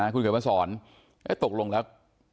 คุณเขียนมาสอนตกลงแล้ว